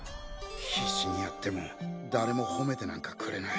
必死にやっても誰もほめてなんかくれない。